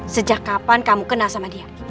sejak kapan kamu kenal sama dia